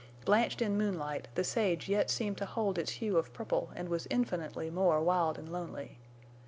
Blanched in moonlight, the sage yet seemed to hold its hue of purple and was infinitely more wild and lonely.